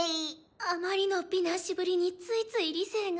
あまりの美男子ぶりについつい理性が。